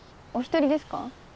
お一人ですか？